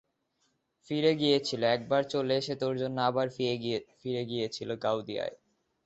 ফিরে গিয়েছিল, একবার চলে এসে তোর জন্যে আবার ফিরে গিয়েছিল গাওদিয়ায়!